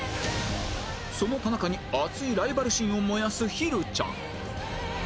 その田中に熱いライバル心を燃やすひるちゃん